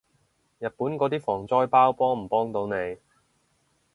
日本嗰啲防災包幫唔幫到你？